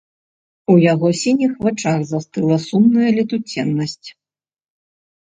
У яго сініх вачах застыла сумная летуценнасць.